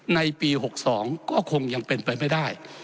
ในปี๖๒ก็คงยังเป็นไปไม่ได้